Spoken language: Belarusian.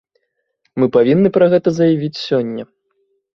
Мы павінны пра гэта заявіць сёння.